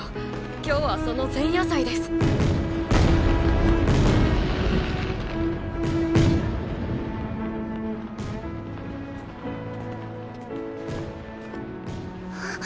今日はその前夜祭です。っ！